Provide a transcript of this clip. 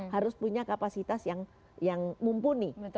harus punya kapasitas yang mumpuni